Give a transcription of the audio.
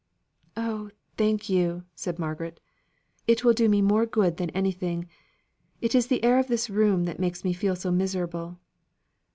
"Oh, thank you!" said Margaret. "It will do me more good than anything. It is the air of this room that makes me feel so miserable."